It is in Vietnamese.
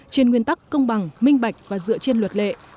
trên nguyên tắc công bằng minh bạch và dựa trên luật lệ